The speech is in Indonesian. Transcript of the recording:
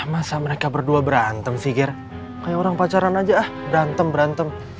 masa mereka berdua berantem figure orang pacaran aja berantem berantem